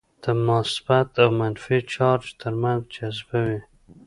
د مثبت او منفي چارج ترمنځ جذبه وي.